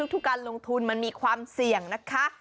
ทุกการลงทุนมันมีความเสี่ยงนะคะ